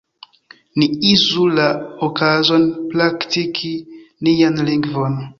Ni uzu la okazon praktiki nian lingvon!